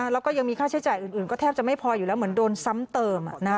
แล้วก็ยังมีค่าใช้จ่ายอื่นก็แทบจะไม่พออยู่แล้วเหมือนโดนซ้ำเติม